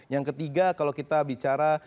yang ketiga kalau kita bicara